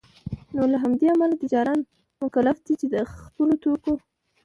نوله همدې امله تجاران مکلف دی چي دخپلو توکو